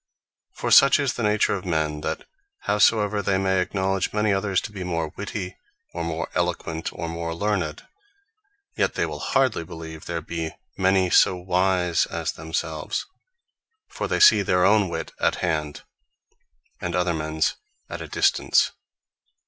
For such is the nature of men, that howsoever they may acknowledge many others to be more witty, or more eloquent, or more learned; Yet they will hardly believe there be many so wise as themselves: For they see their own wit at hand, and other mens at a distance.